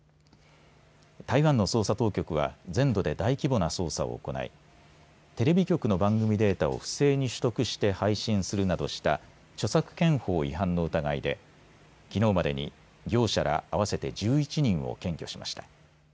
台湾の捜査当局は全土で大規模な捜査を行いテレビ局の番組データを不正に取得して配信するなどした著作権法違反の疑いできのうまでに業者ら合わせて１１人を検挙しました。